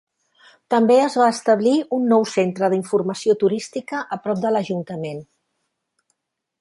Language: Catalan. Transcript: També es va establir un nou centre d'informació turística a prop de l'ajuntament.